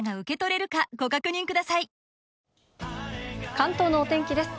関東のお天気です。